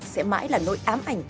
sẽ mãi là nỗi ám ảnh